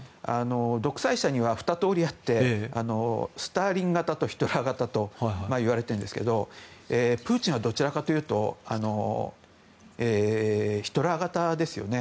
独裁者には二通りあってスターリン型とヒトラー型といわれているんですがプーチンはどちらかというとヒトラー型ですよね。